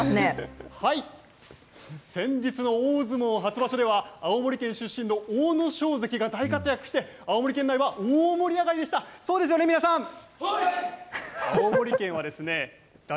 先日の大相撲初場所では、青森県出身の阿武咲関が大活躍して、青森県内は大盛り上がりでしはい！